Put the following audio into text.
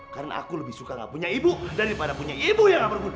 karena aku lebih suka gak punya ibu daripada punya ibu yang gak berguna